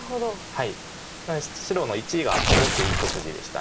なので白の①がすごくいい手筋でした。